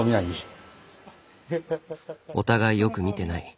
お互いよく見てない。